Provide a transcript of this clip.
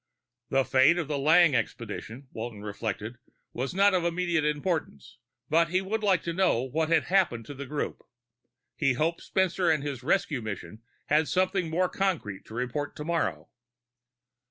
The fate of the Lang expedition, Walton reflected, was not of immediate importance. But he would like to know what had happened to the group. He hoped Spencer and his rescue mission had something more concrete to report tomorrow.